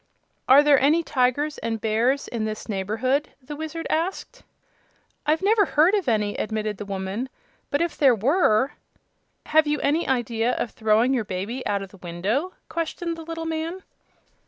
"Are there any tigers and bears in this neighborhood?" the Wizard asked. "I've never heard of any," admitted the woman, "but if there were " "Have you any idea of throwing your baby out of the window?" questioned the little man.